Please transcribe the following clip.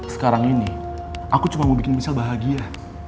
sekarang ini aku cuma mau bikin misal bahagia